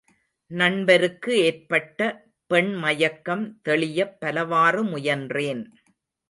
நண்பருக்கு ஏற்பட்ட பெண் மயக்கம் தெளியப் பலவாறு முயன்றேன்.